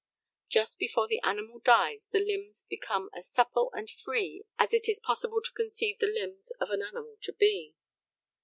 Just before the animal dies the limbs become as supple and free as it is possible to conceive the limbs of an animal to be.